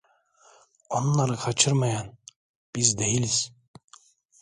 Onları kaçırmayan biz değiliz…